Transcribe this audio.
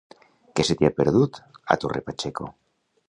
Què se t'hi ha perdut, a Torre Pacheco?